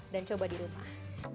dan coba di rumah